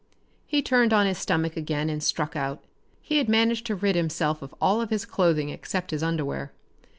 He turned on his stomach again and struck out. He had managed to rid himself of all of his clothing except his underwear.